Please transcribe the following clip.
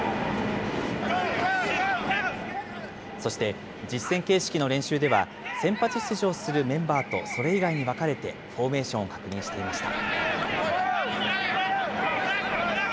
そして、実戦形式の練習では、先発出場するメンバーとそれ以外に分かれてフォーメーションを確認していました。